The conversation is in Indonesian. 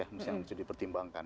yang bisa dipertimbangkan